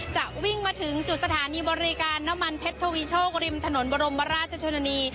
จะวิ่งมาถึงจุดสถานีบริการน้ำมันเพชรทวีโชคริมถนนบรมราชชนนี